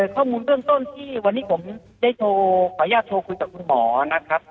ข้อมูลเบื้องต้นที่วันนี้ผมได้ขออนุญาตโทรคุยกับคุณหมอนะครับ